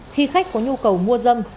khi khách có nhu cầu mua dâm